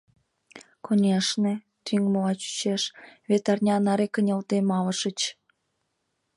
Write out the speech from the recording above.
— Конешне, тӱҥмыла чучеш, вет арня наре кынелде малышыч.